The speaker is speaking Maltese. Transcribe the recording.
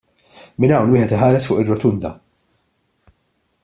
Minn hawn wieħed iħares fuq ir-Rotunda.